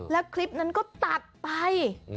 แล้วคลิปนั้นก็ตัดไป